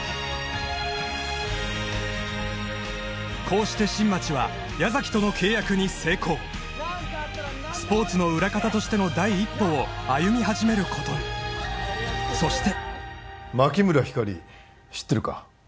こうして新町は矢崎との契約に成功スポーツの裏方としての第一歩を歩み始めることにそして牧村ひかり知ってるか？